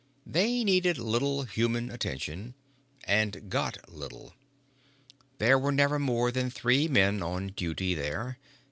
They needed little human attention, and got little. There were never more than three men on duty here.